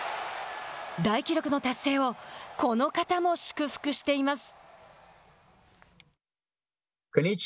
で記録の達成をこの方も祝福しています。